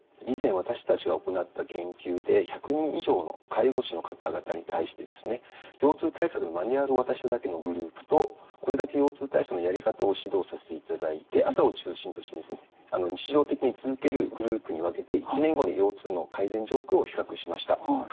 以前私たちが行った研究で１００人以上の介護士の方々に対して腰痛対策のマニュアルを渡しただけのグループとこれだけ腰痛体操のやり方を指導させていただいて朝を中心として日常的に続けるグループに分けて１年後に腰痛の改善状況を比較しました。